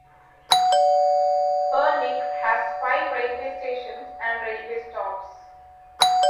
Pernik has five railway stations and railway stops.